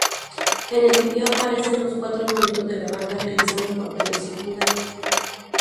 En el vídeo aparecen los cuatro miembros de la banda realizando papeles secundarios.